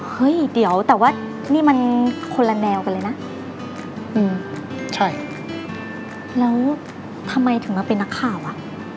เฮ้ยเดี๋ยวแต่ว่านี่มันคนละแนวกันเลยนะอืมใช่แล้วทำไมถึงมาเป็นนักข่าวอ่ะ